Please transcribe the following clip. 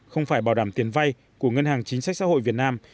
không phải bảo đảm tiền vay của ngân hàng chính sách xã hội việt nam